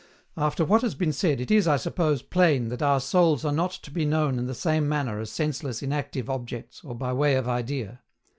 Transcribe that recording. After what has been said, it is, I suppose, plain that our souls are not to be known in the same manner as senseless, inactive objects, or by way of idea.